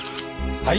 はい。